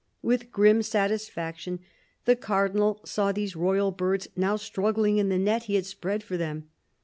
With grim satisfaction the Cardinal saw these royal birds now struggling in the net he had spread for them.